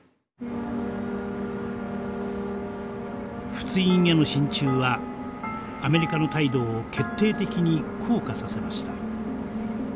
仏印への進駐はアメリカの態度を決定的に硬化させました。